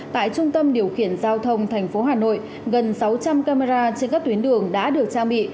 tại trung tâm điều khiển giao thông thành phố hà nội gần sáu trăm linh camera trên các tuyến đường đã được trang bị